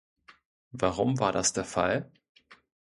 Warum war das der Fall?